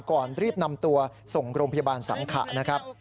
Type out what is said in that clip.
ก่อนรีบนำตัวส่งโรงพยาบาลสังขะนะครับ